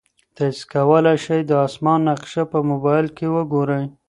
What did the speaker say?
تاسي کولای شئ د اسمان نقشه په موبایل کې وګورئ.